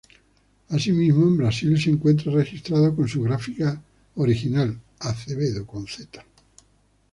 Asimismo, en Brasil se encuentra registrado con su grafía original: Azevedo.